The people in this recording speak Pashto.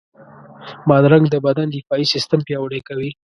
بادرنګ د بدن دفاعي سیستم پیاوړی کوي.